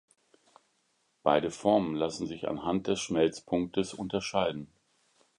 Beide Formen lassen sich anhand des Schmelzpunktes unterscheiden.